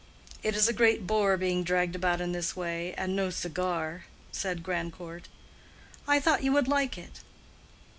"It's a great bore being dragged about in this way, and no cigar," said Grandcourt. "I thought you would like it."